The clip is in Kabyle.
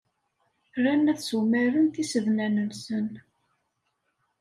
Ran ad ssumaren tisednan-nsen.